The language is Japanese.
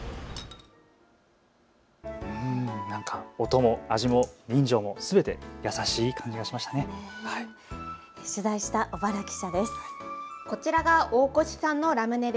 音も味も人情もすべて優しい感じがしましたね。